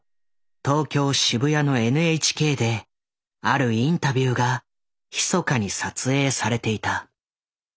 東京渋谷のＮＨＫであるインタビューがひそかに撮影されていた。